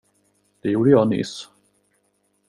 Det gjorde jag nyss.